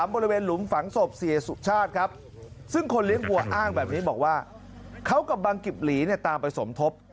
หลุมฝังศพเสียสุชาติครับซึ่งคนเลี้ยงวัวอ้างแบบนี้บอกว่าเขากับบังกิบหลีเนี่ยตามไปสมทบ